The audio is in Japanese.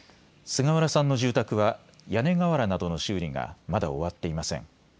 菅原さんの住宅は屋根瓦などの修理がまだ終わっていません。